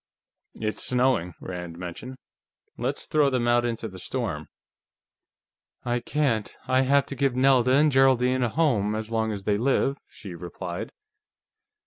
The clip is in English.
"It's snowing," Rand mentioned. "Let's throw them out into the storm." "I can't. I have to give Nelda and Geraldine a home, as long as they live," she replied.